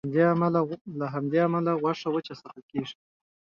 له همدې امله غوښه وچه ساتل کېږي.